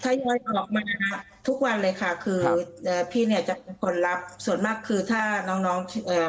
ถ้ายังไงออกมาทุกวันเลยค่ะคือพี่เนี่ยจะเป็นคนรับส่วนมากคือถ้าน้อง